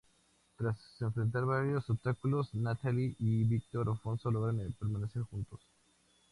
Tras enfrentar varios obstáculos, Natalie y Victor Alfonso logran permanecer juntos.